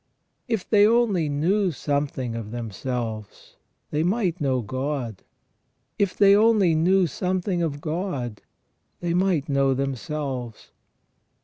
If they only knew something of themselves, they might know God. If they only knew something of God, they might know themselves.